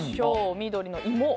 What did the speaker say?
緑の芋。